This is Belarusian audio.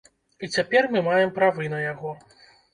І цяпер мы маем правы на яго.